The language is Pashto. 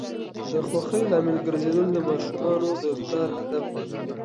د خوښۍ لامل ګرځیدل د ماشومانو د پلار هدف دی.